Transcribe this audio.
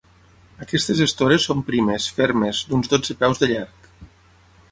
Aquestes estores són primes, fermes, d'uns dotze peus de llarg.